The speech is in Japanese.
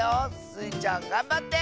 スイちゃんがんばって！